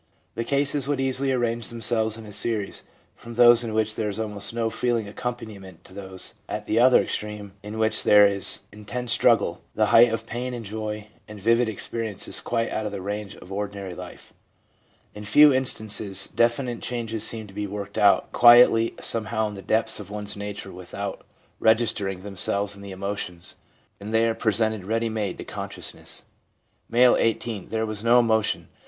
The cases would easily arrange themselves in a series from those in which there is almost no feeling accom paniment to those, at the other extreme, in which there is intense struggle, the height of pain and joy, and vivid experiences quite out of the range of ordinary life. In a few instances definite changes seem to be worked out quietly somehow in the depths of one's nature without 76 THE MENTAL AND BODILY AFFECTIONS 77 registering themselves in the emotions, and they are pre sented ready made to consciousness. M., 18. ' There was no emotion.